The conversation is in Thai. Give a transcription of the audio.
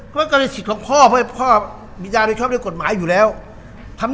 เมื่อกลุ่มยานโดยชอบเรียนกฏหมายก็เดี๋ยวนี่